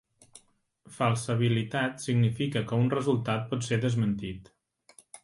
Falsabilitat significa que un resultat pot ser desmentit.